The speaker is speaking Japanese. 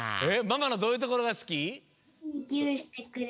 えっママのどういうところが好き？